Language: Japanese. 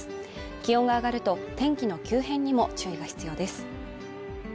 気温が上がると天気の急変にも注意が必要です。